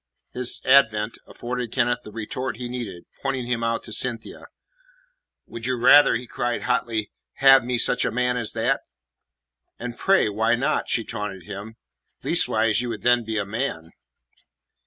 His advent afforded Kenneth the retort he needed. Pointing him out to Cynthia: "Would you rather," he cried hotly, "have me such a man as that?" "And, pray, why not?" she taunted him. "Leastways, you would then be a man."